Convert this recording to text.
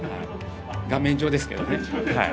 画面上ですけどねはい。